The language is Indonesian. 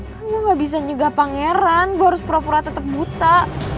kan gue gak bisa nyegah pangeran gue harus pura pura tetap buta